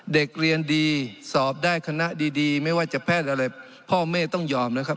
เด็กเรียนดีสอบได้คณะดีไม่ว่าจะแพทย์อะไรพ่อแม่ต้องยอมนะครับ